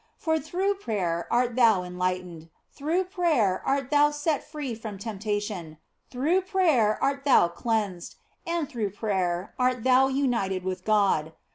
For through prayer art thou enlightened, through prayer art thou set free from temptation, through prayer art thou cleansed, and through prayer art thou united with God.